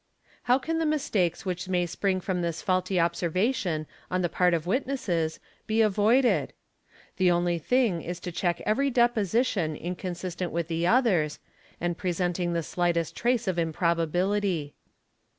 How can the mistakes which may spring from this faulty observatior on the part of witnesses, we avoided? The only thing is to check every deposition inconsistent with the others and presenting the slightest trac of improbability.